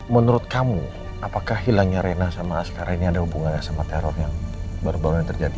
menurut kamu apakah hilangnya rena sama sekarang ini ada hubungannya sama teror yang baru baru ini terjadi